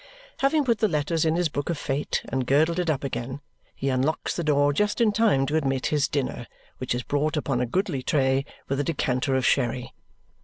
Having put the letters in his book of fate and girdled it up again, he unlocks the door just in time to admit his dinner, which is brought upon a goodly tray with a decanter of sherry.